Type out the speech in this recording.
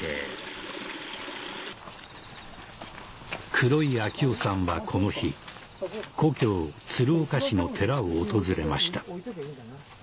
黒井秋夫さんはこの日故郷鶴岡市の寺を訪れました